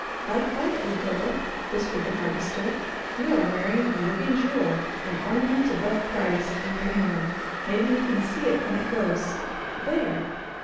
"Lie quietly, Girl," whispered the Harvester. "You are wearing a living jewel, an ornament above price, on your hair. Maybe you can see it when it goes. There!"